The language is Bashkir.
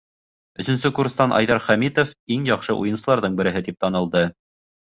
Өсөнсө курстан Айҙар Хәмитов иң яҡшы уйынсыларҙың береһе тип танылды.